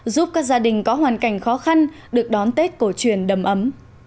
giúp các gia đình có hoàn cảnh khó khăn được đón tết cổ truyền đầm ấm